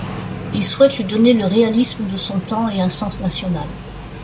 Il souhaite lui donner le réalisme de son temps et un sens national.